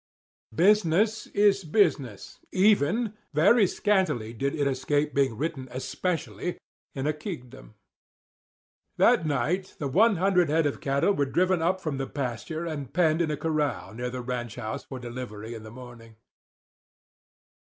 Business is business, even—very scantily did it escape being written "especially"—in a kingdom. That night the 100 head of cattle were driven up from the pasture and penned in a corral near the ranch house for delivery in the morning.